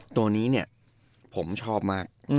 ตัวนี้เนี่ยผมชอบมาก